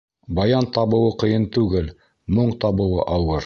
Баян табыуы ҡыйын түгел, моң табыуы ауыр.